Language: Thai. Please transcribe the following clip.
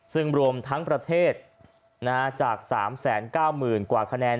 ซึ่งรวมทั้งประเทศจาก๓๙๐๐๐กว่าคะแนน